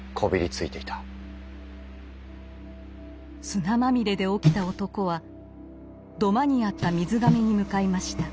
砂まみれで起きた男は土間にあった水甕に向かいました。